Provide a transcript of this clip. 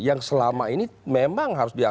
yang selama ini memang harus diatur